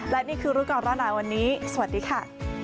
และนี่คือรุกรรมร่านาวันนี้สวัสดีค่ะ